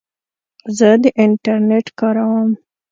زه د انټرنیټ کاروم.